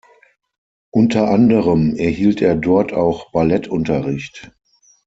Unter anderem erhielt er dort auch Ballettunterricht.